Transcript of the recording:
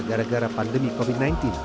gara gara pandemi covid sembilan belas